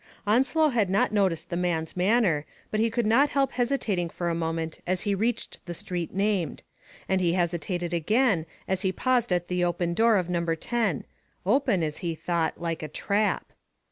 Onslow had not noticed the man's manner, but he could not help hesitating for a moment as he reached the street named ; and he hesitated again as he paused at the open door of No. lo — open, as he thought, like a trap.